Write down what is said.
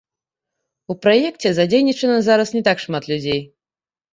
У праекце задзейнічана зараз не так шмат людзей.